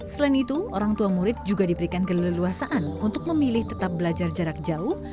selain itu orang tua murid juga diberikan keleluasaan untuk memilih tetap belajar jarak jauh